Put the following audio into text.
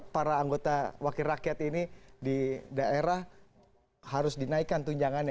para anggota wakil rakyat ini di daerah harus dinaikkan tunjangannya